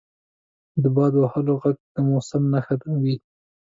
• د باد وهلو ږغ د موسم نښه وي.